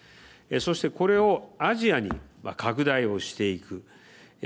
そして、これをアジアに拡大をしていく。